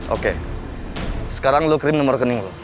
oke sekarang lo kirim nomor rekening lo